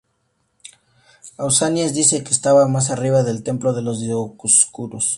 Pausanias dice que estaba más arriba del templo de los Dioscuros.